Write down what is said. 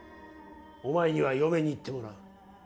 お前には嫁に行ってもらう。